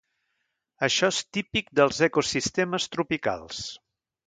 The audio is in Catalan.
Això és típic dels ecosistemes tropicals.